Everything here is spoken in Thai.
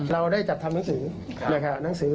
เราได้จัดทำหนังสือ